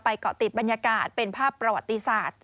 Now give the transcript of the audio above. เกาะติดบรรยากาศเป็นภาพประวัติศาสตร์